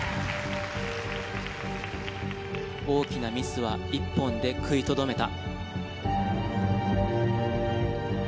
大きなミスは１本で食いとどめた。